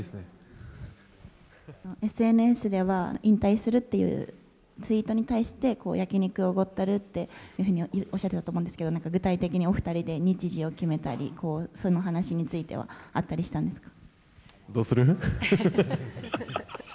ＳＮＳでは引退するというツイートに対して焼き肉おごったるっていうふうにおっしゃってたと思うんですけど具体的にお二人で日時を決めたりその話についてはあったりしましたか。